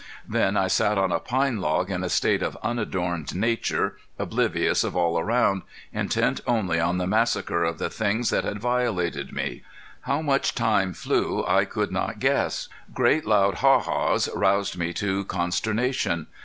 Then I sat on a pine log in a state of unadorned nature, oblivious to all around, intent only on the massacre of the things that had violated me. How much time flew I could not guess. Great loud "Haw haws!" roused me to consternation.